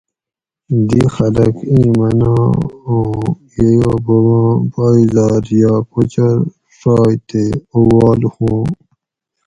دی خلک ایں مناۤں اوں ییو بوباں پائیزار یا کوچور ڛائے تے اووال ہُواں